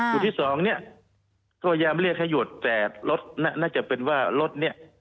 จุดที่สองเนี่ยก็พยายามเรียกให้หยุดแต่รถน่าจะเป็นว่ารถเนี่ย